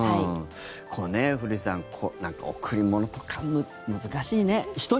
これ、古市さん何か贈り物とか難しいね。